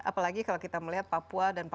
apalagi kalau kita melihat papua dan papua